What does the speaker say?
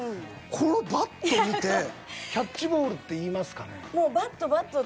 このバット見てキャッチボールって言いますかね？